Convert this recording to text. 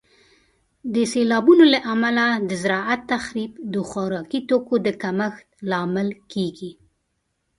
د سیلابونو له امله د زراعت تخریب د خوراکي توکو د کمښت لامل کیږي.